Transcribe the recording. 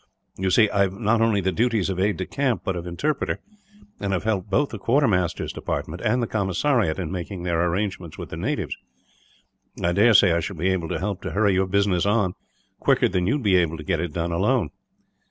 You see, I have not only the duties of aide de camp, but of interpreter; and have helped both the quartermaster's department and the commissariat in making their arrangements with the natives. I daresay I shall be able to help to hurry your business on, quicker than you would be able to get it done, alone."